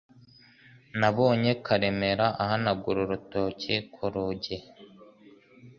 Nabonye Karemera. ahanagura urutoki ku rugi.